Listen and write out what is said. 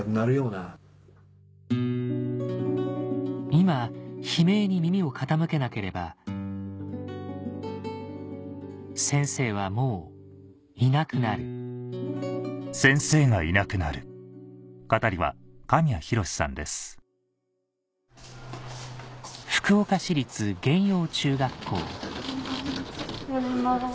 今悲鳴に耳を傾けなければ先生はもういなくなるおはようございます。